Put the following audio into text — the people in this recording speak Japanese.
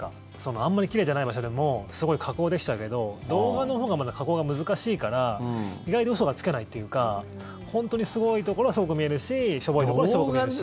あんまり奇麗じゃない場所でもすごい加工できちゃうけど動画のほうがまだ加工が難しいから意外に嘘がつけないというか本当にすごいところはすごく見えるししょぼいところはしょぼく見えるし。